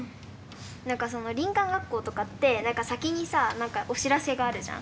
何かその林間学校とかって何か先にさあ何かお知らせがあるじゃん。